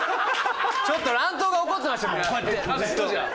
ちょっと乱闘が起こってましたもんこうやって。